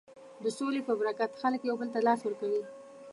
د سولې په برکت خلک یو بل ته لاس ورکوي.